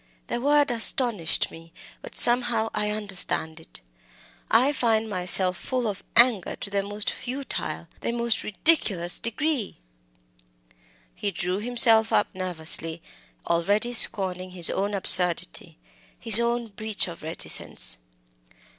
_' The word astonished me, but sometimes I understand it. I find myself full of anger to the most futile, the most ridiculous degree!" He drew himself up nervously, already scorning his own absurdity, his own breach of reticence.